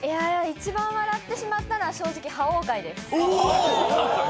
一番笑ってしまったのは覇王壊です。